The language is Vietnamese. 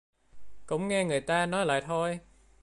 Cũng nghe người ta nói lại thôi